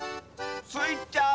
スイちゃん